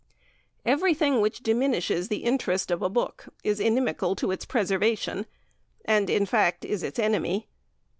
Everything which diminishes the interest of a book is inimical to its preservation, and in fact is its enemy.